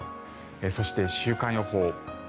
そして週間予報。